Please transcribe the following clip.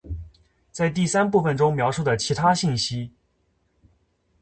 ·在第三部分中描述的其他信息。